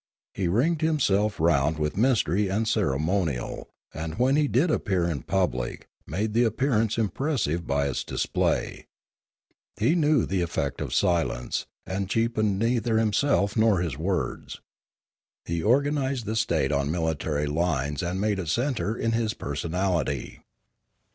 He ringed himself round with mystery and ceremonial, and when he did appear in public made the appear ance impressive by its display. He knew the effect of Choktroo 205 silence, and cheapened neither himself nor his words. He organised the state on military lines and made it centre in his personality.